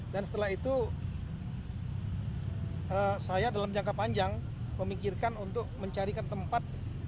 dan setelah itu saya dalam jangka panjang memikirkan untuk mencarikan tempat